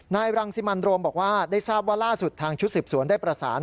นายรังสิมันโรมบอกว่าได้ทราบว่าล่าสุดทางชุดสืบสวนได้ประสาน